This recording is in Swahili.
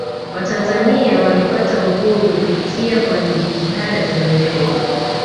watanzania walipata uhuru kupitia kwa jitihada za nyerere